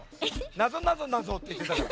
「なぞなぞなぞ」っていってたから。